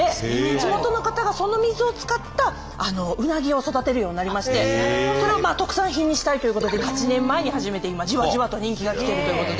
地元の方がその水を使ったうなぎを育てるようになりましてそれを特産品にしたいということで８年前に始めて今じわじわと人気がきてるということで。